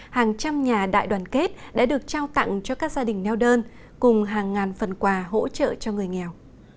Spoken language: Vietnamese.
hàng trăm nhà đại đoàn kết đã được trao tặng cho các gia đình neo đơn cùng hàng ngàn phần quà hỗ trợ cho người nghèo